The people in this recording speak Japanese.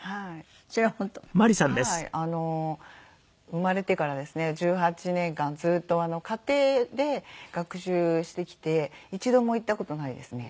生まれてからですね１８年間ずっと家庭で学習してきて一度も行った事ないですね。